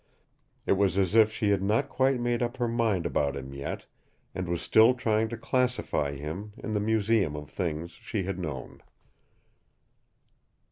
It was as if she had not quite made up her mind about him yet and was still trying to classify him in the museum of things she had known.